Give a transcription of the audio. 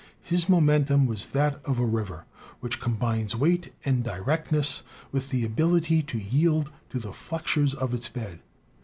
His momentum was that of a river, which combines weight and directness with the ability to yield to the flexures of its bed.